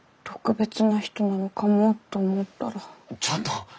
ちょっと！